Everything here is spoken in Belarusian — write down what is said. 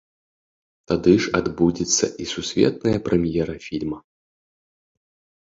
Тады ж адбудзецца і сусветная прэм'ера фільма.